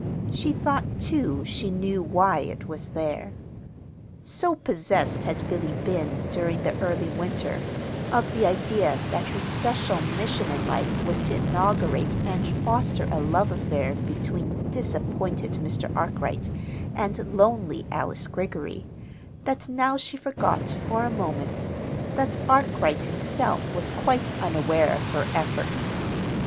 She thought, too, she knew why it was there. So possessed had Billy been, during the early winter, of the idea that her special mission in life was to inaugurate and foster a love affair between disappointed Mr. Arkwright and lonely Alice Greggory, that now she forgot, for a moment, that Arkwright himself was quite unaware of her efforts.